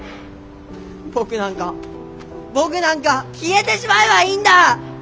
僕なんか僕なんか消えてしまえばいいんだ！